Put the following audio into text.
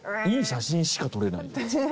いい写真しか撮れないよ。